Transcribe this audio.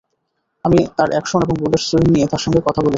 আমি তার অ্যাকশন এবং বলের সুইং নিয়ে তার সঙ্গে কথা বলেছি।